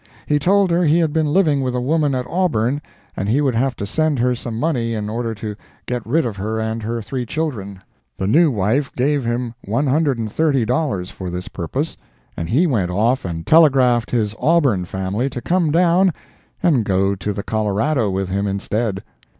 He told her he had been living with a woman at Auburn, and he would have to send her some money in order to get rid of her and her three children. The new wife gave him one hundred and thirty dollars for this purpose, and he went off and telegraphed his Auburn family to come down and go to the Colorado with him instead.